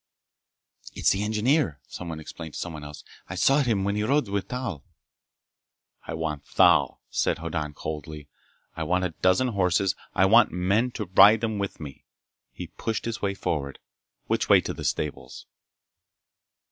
"It's the engineer," someone explained to someone else. "I saw him when he rode in with Thal." "I want Thal," said Hoddan coldly. "I want a dozen horses. I want men to ride them with me." He pushed his way forward. "Which way to the stables?"